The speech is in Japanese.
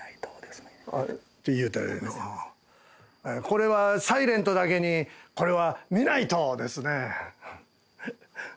これは『ｓｉｌｅｎｔ』だけにこれは見ないとですね。